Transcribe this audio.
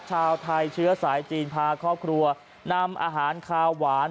ชาวไทยเชื้อสายจีนพาครอบครัวนำอาหารคาวหวาน